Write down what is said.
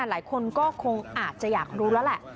หลายคนก็คงอาจจะอยากรู้แล้วแหละ